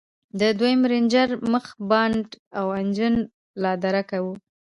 د دويم رېنجر مخ بانټ او انجن لادرکه و.